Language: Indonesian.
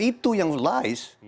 itu yang lies